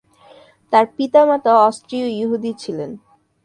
তার পিতামাতা অস্ট্রীয় ইহুদি ছিলেন।